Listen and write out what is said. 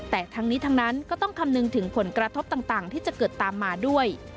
แต่ทั้งนี้ทั้งนั้นก็ต้องคำนึงถึงผลกระทบต่างที่จะเกิดตามมาด้วย